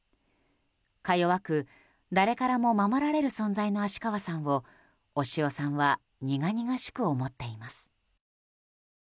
か弱く誰からも守られる存在の芦川さんを押尾さんは苦々しく思っています。